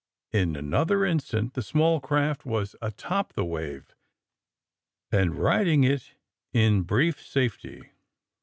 In another in stant the small craft was a top the wave, and riding it in brief safety.